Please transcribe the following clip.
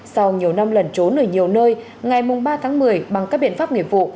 sau nhiều năm lần trốn ở nhiều nơi ngày ba tháng một mươi bằng các biện pháp nghiệp vụ